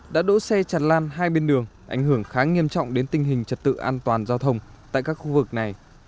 đã đỗ xe chặt lan hai bên đường ảnh hưởng khá nghiêm trọng đến tình hình trật tự an toàn giao thông tại các khu vực này